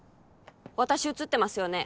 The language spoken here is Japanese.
私写ってますよね？